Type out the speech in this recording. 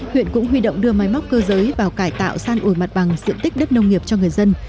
huyện cũng huy động đưa máy móc cơ giới vào cải tạo san ủi mặt bằng diện tích đất nông nghiệp cho người dân